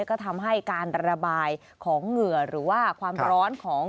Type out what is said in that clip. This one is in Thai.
ก็ทำให้การระบายของเหงื่อหรือว่าความร้อนของ